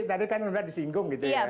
tadi kan sudah disinggung gitu ya